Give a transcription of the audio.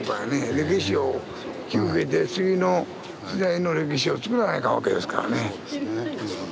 歴史を引き受けて次の時代の歴史をつくらないかんわけですからね。